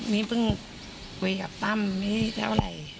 นี่เพิ่งคุยกับตั้มไม่ได้ว่าอะไร